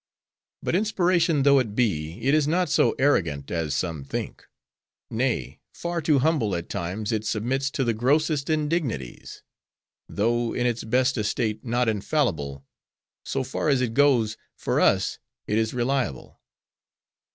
But inspiration though it be, it is not so arrogant as some think. Nay, far too humble, at times it submits to the grossest indignities. Though in its best estate, not infallible; so far as it goes, for us, it is reliable.